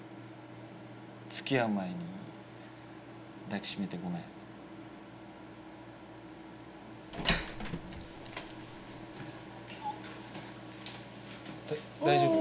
つきあう前に抱き締めてごめんだ大丈夫？